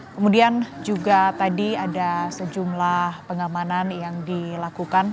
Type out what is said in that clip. kemudian juga tadi ada sejumlah pengamanan yang dilakukan